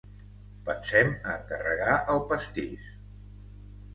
Pensem a encarregar el pastís.